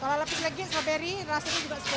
kalau lebih lagi saberi rasanya juga spesial